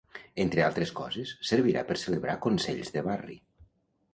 Entre altres coses, servirà per celebrar consells de barri.